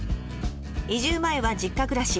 移住前は実家暮らし。